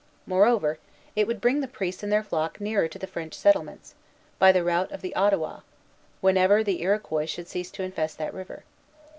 Moreover, it would bring the priests and their flock nearer to the French settlements, by the route of the Ottawa, whenever the Iroquois should cease to infest that river.